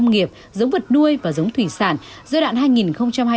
giống vật nuôi và giống thủy sản giai đoạn hai nghìn hai mươi một hai nghìn ba mươi